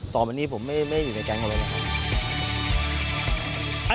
ต่อไปนี้ผมไม่อยู่ในแก๊งอะไรนะครับ